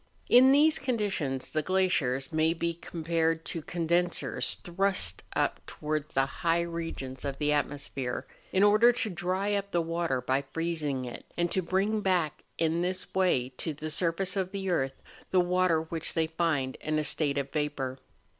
In these conditions the glaciers may be compared to condensers thrust up towards the high regions of the atmosphere, in order to dry up the water by freezing it, and to bring back in this way to the surface of the earth the water which they find in a state of vapour.